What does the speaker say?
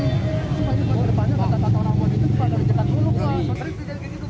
oh iya bang betul betul